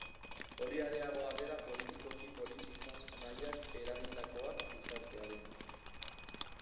Hori areago dela politikoki polit izan nahiak eragindakoa, gizartearen.